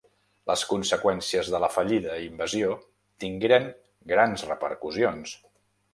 Les conseqüències de la fallida invasió tingueren grans repercussions.